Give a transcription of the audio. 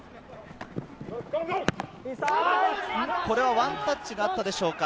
これはワンタッチがあったでしょうか？